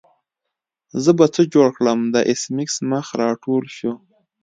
زه به څه جوړ کړم د ایس میکس مخ راټول شو